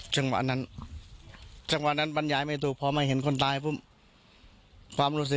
เสียชายครับผมขอโทษ